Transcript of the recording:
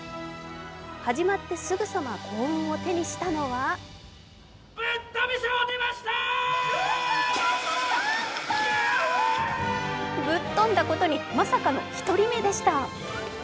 始まってすぐさま幸運を手にしたのはぶっとんだことにまさかの１人目でした。